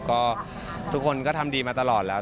ก็ทุกคนก็ทำดีมาตลอดแล้ว